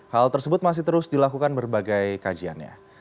hal tersebut masih terus dilakukan berbagai kajiannya